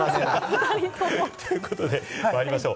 ということでまいりましょう。